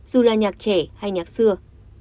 dù là nhạc trẻ hay nhạc xưa